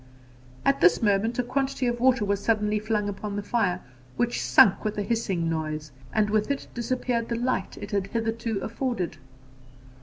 At this moment a quantity of water was suddenly flung upon the fire, which sunk with a hissing noise, and with it disappeared the light it had hitherto afforded.